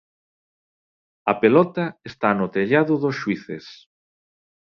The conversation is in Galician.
A pelota está no tellado dos xuíces.